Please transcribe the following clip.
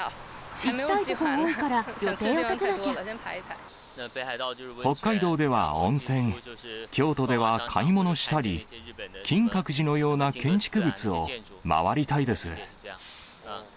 行きたい所多いから、予定を立て北海道では温泉、京都では買い物したり、金閣寺のような建築物を回りたいです。